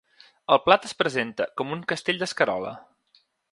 El plat es presenta com un castell d’escarola.